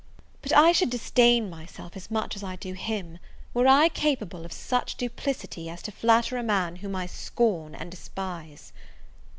But I should disdain myself as much as I do him, were I capable of such duplicity as to flatter a man whom I scorn and despise.